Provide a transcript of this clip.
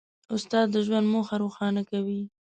استاد د ژوند موخه روښانه کوي.